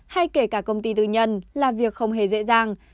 hay kể cả công ty tư nhân là việc không hề dễ dàng